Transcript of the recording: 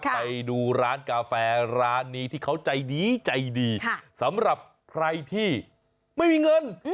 ไปดูร้านกาแฟร้านนี้ที่เขาใจดีใจดีสำหรับใครที่ไม่มีเงิน